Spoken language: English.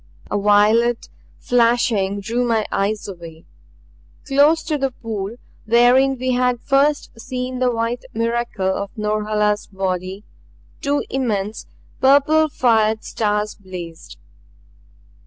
A violet flashing drew my eyes away. Close to the pool wherein we had first seen the white miracle of Norhala's body, two immense, purple fired stars blazed.